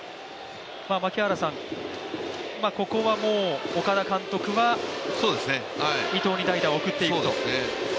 ここは岡田監督は伊藤に代打を送っていくと。